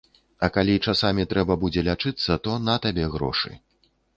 А калі часамі трэба будзе лячыцца, то на табе грошы.